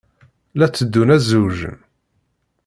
La tteddun ad zewǧen.